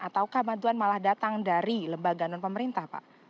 ataukah bantuan malah datang dari lembaga non pemerintah pak